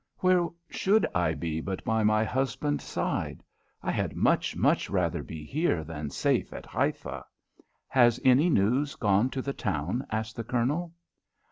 "Where should I be but by my husband's side? I had much, much rather be here than safe at Haifa." "Has any news gone to the town?" asked the Colonel.